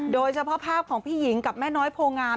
โดยเฉพาะภาพของพี่หญิงกับแม่น้อยโพงาม